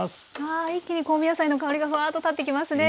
あ一気に香味野菜の香りがフワーッと立ってきますね。